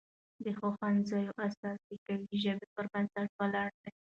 د ښو ښوونځیو اساس د قوي ژبې پر بنسټ ولاړ وي.